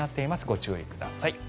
ご注意ください。